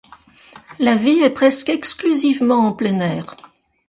La vie est presque exclusivement en plein air.